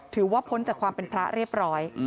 พ้นจากความเป็นพระเรียบร้อย